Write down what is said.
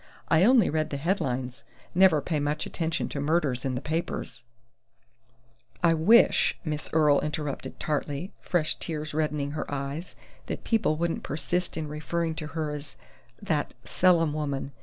I only read the headlines never pay much attention to murders in the papers " "I wish," Miss Earle interrupted tartly, fresh tears reddening her eyes, "that people wouldn't persist in referring to her as 'that Selim woman'....